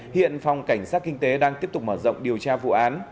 hiện phòng cảnh sát kinh tế đang tiếp tục mở rộng điều tra vụ án